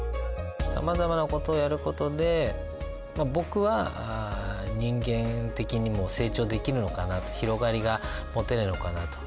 さまざまな事をやる事で僕は人間的にも成長できるのかな広がりが持てるのかなと。